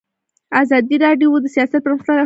ازادي راډیو د سیاست پرمختګ او شاتګ پرتله کړی.